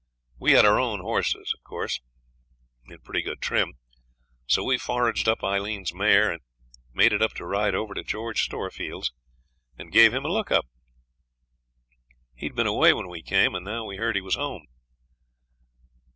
We had our own horses in pretty good trim, so we foraged up Aileen's mare, and made it up to ride over to George Storefield's, and gave him a look up. He'd been away when we came, and now we heard he was home.